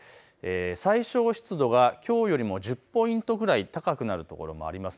最小湿度はきょうよりも１０ポイントくらい高くなる所もあります。